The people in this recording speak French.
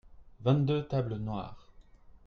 vingt deux tables noires.